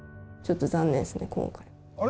あれ？